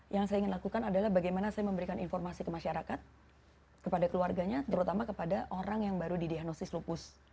yang saya ingin lakukan adalah bagaimana saya memberikan informasi ke masyarakat kepada keluarganya terutama kepada orang yang baru didiagnosis lupus